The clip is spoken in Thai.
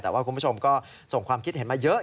แต่ว่าคุณผู้ชมก็ส่งความคิดเห็นมาเยอะ